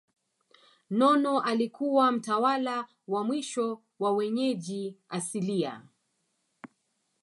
Nono alikuwa mtawala wa mwisho wa wenyeji asilia